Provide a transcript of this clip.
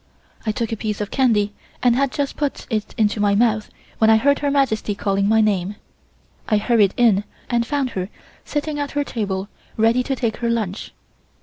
I took a piece of candy and had just put it into my mouth when I heard Her Majesty calling my name. I hurried in and found her sitting at her table ready to take her lunch.